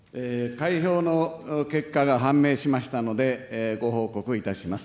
開票の結果が判明しましたので、ご報告いたします。